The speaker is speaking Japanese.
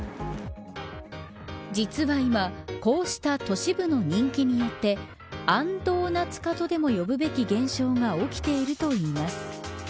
実は今こうした都市部の人気によってあんドーナツ化とでも呼ぶべき現象が起きているといいます。